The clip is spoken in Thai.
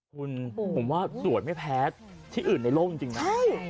คุณผมว่าสวยไม่แพ้ที่อื่นในโลกจริงนะ